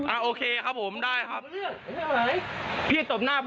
มึงนึกว่าข้ามเขาบ้าง